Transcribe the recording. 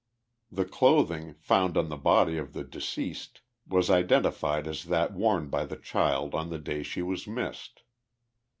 The clothing, found on the body of the deceased, was identified as that worn by the child on the day she was missed.